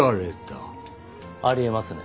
あり得ますね。